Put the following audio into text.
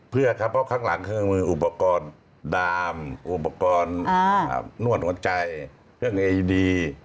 เพื่อครับเพราะข้างหลังคืออุปกรณ์ดามอิสระอันนวดหัวใจเครื่องเอดี